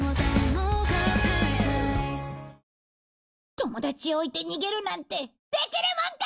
友達を置いて逃げるなんてできるもんか！